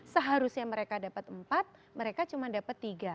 seharusnya mereka dapat empat mereka cuma dapat tiga